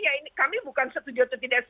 ya kami bukan setuju atau tidak